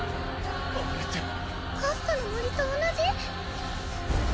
あれってカフカの森と同じ！？